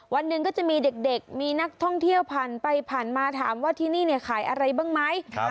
วันหนึ่งก็จะมีเด็กมีนักท่องเที่ยวผ่านไปผ่านมาถามว่าที่นี่เนี่ยขายอะไรบ้างไหม